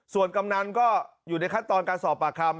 ส่วนกำนันก็อยู่ในขั้นตอนการสอบปากคำ